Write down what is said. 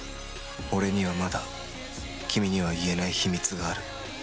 俺にはまだ君には言えない秘密がある。